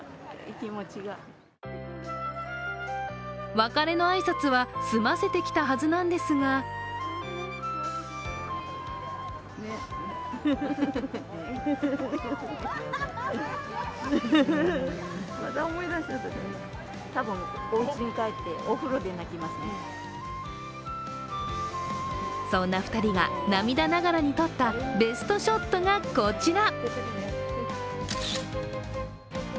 別れの挨拶は済ませてきたはずなんですがそんな２人が涙ながらに撮ったベストショットがこちら。